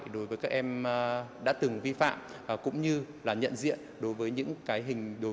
đối với các em đã từng vi phạm cũng như là nhận diện đối với những loại hình vi phạm mới